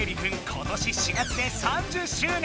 今年４月で３０周年！